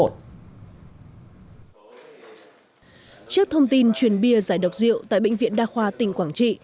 trước thông tin truyền bia giải độc rượu tại bệnh viện đa khoa tỉnh quảng trị